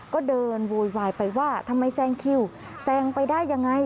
ก็เดินโวยวายไปว่าทำไมแซงคิวแซงไปได้ยังไง